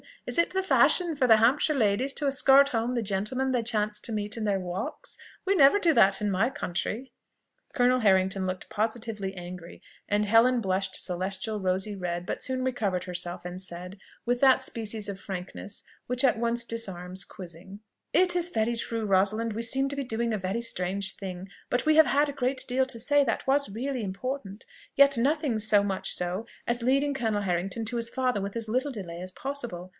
is it the fashion for the Hampshire ladies to escort home the gentlemen they chance to meet in their walks? We never do that in my country." Colonel Harrington looked positively angry, and Helen blushed celestial rosy red, but soon recovered herself, and said, with that species of frankness which at once disarms quizzing, "It is very true, Rosalind; we seem to be doing a very strange thing: but we have had a great deal to say that was really important; yet nothing so much so, as leading Colonel Harrington to his father with as little delay as possible.